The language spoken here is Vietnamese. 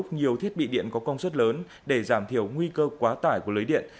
nhiều thiết bị điện có công suất lớn để giảm thiểu nguy cơ quá tải của lưới điện